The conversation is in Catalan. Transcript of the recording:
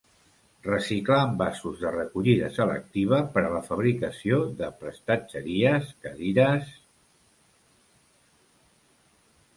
Reciclar envasos de recollida selectiva per a la fabricació de prestatgeries, cadires...